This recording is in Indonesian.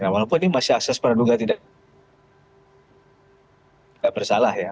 walaupun ini masih asas para duga tidak bersalah ya